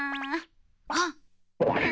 あっ！